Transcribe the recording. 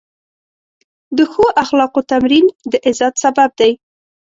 د ښو اخلاقو تمرین د عزت سبب دی.